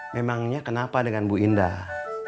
memangnya kenapa dengan bu indah